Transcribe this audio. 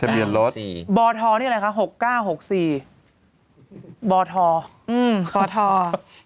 บอทร